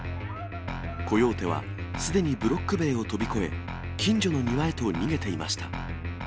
コヨーテはすでにブロック塀を飛び越え、近所の庭へと逃げていました。